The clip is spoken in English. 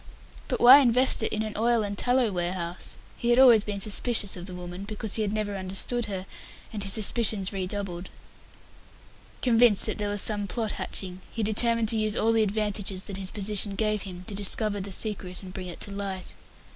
But why invest it in an oil and tallow warehouse? He had always been suspicious of the woman, because he had never understood her, and his suspicions redoubled. Convinced that there was some plot hatching, he determined to use all the advantages that his position gave him to discover the secret and bring it to light.